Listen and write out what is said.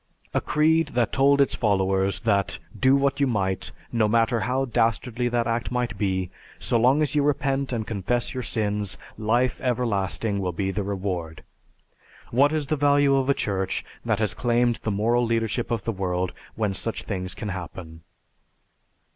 A creed that told its followers that do what you might, no matter how dastardly that act might be, so long as you repent and confess your sins, life everlasting will be the reward. What is the value of a church that has claimed the moral leadership of the world when such things can happen?